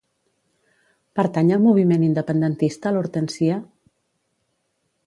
Pertany al moviment independentista l'Hortensia?